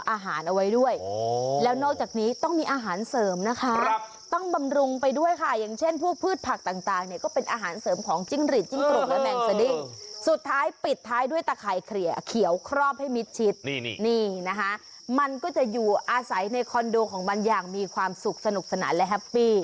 อาหารเอาไว้ด้วยแล้วนอกจากนี้ต้องมีอาหารเสริมนะคะต้องบำรุงไปด้วยค่ะอย่างเช่นพวกพืชผักต่างเนี่ยก็เป็นอาหารเสริมของจิ้งหลีดจิ้งกรกและแมงสดิ้งสุดท้ายปิดท้ายด้วยตะไข่เคลียร์เขียวครอบให้มิดชิดนี่นี่นะคะมันก็จะอยู่อาศัยในคอนโดของมันอย่างมีความสุขสนุกสนานและแฮปปี้